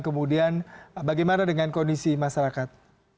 kemudian bagaimana dengan kondisi masyarakat